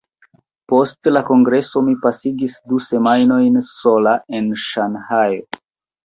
Post la Kongreso, mi pasigis du semajnojn sola en Ŝanhajo.